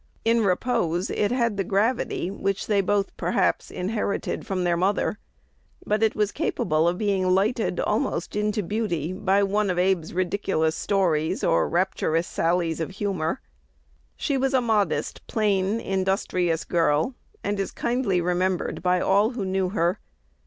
In repose it had the gravity which they both, perhaps, inherited from their mother; but it was capable of being lighted almost into beauty by one of Abe's ridiculous stories or rapturous sallies of humor. She was a modest, plain, industrious girl, and is kindly remembered by all who knew her.